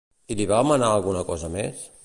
I li va manar alguna cosa més?